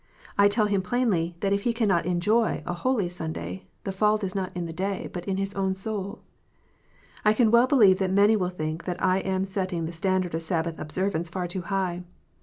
I tell him plainly that if he cannot enjoy a " holy " Sunday, the fault is not in the day, but in his own soul. I can well believe that many will think that I am setting the standard of Sabbath observance far too high.